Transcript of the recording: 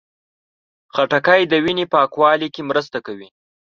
خټکی د وینې پاکوالي کې مرسته کوي.